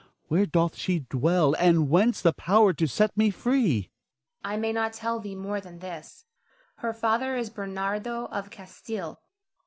Where doth she dwell, and whence the power to set me free? Zara. I may not tell thee more than this. Her father is Bernardo of Castile.